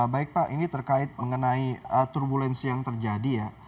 baik pak ini terkait mengenai turbulensi yang terjadi ya